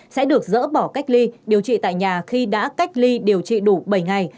sẽ được dỡ bỏ cách ly điều trị tại nhà khi đã cách ly điều trị đủ bảy ngày